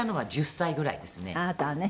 あなたはね。